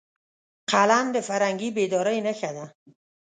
قلم د فرهنګي بیدارۍ نښه ده